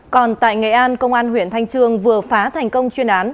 còn tại nghệ an công an huyện thanh trương vừa phá thành công chuyên án